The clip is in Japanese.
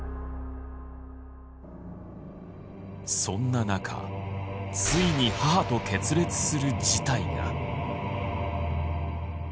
そんな中ついに母と決裂する事態が。